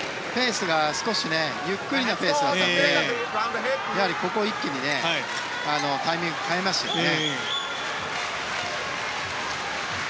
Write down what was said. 少しゆっくりなペースだったのでここは一気にタイミングを変えましたね。